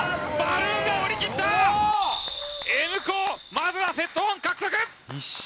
まずはセット１獲得！